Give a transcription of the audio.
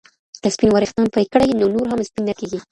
که سپین وریښتان پرې کړئ، نو نور هم سپین نه کیږي.